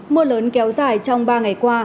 mưa lớn kéo dài trong ba ngày qua